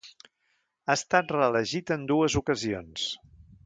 Ha estat reelegit en dues ocasions.